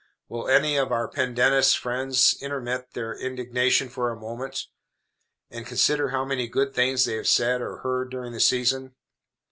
Will any of our Pendennis friends intermit their indignation for a moment, and consider how many good things they have said or heard during the season?